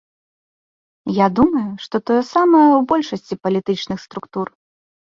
Я думаю, што тое самае ў большасці палітычных структур.